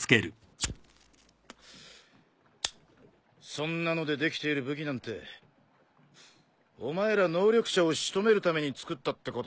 そんなのでできている武器なんてお前ら能力者を仕留めるために作ったってことだろ？